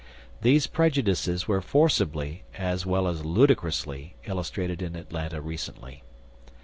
These prejudices were forcibly, as well as ludicrously, illustrated in Atlanta recently.